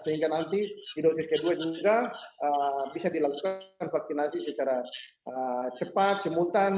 sehingga nanti di dosis kedua juga bisa dilakukan vaksinasi secara cepat semutan